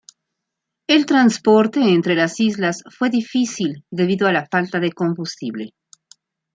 El transporte entre las islas fue difícil debido a la falta de combustible.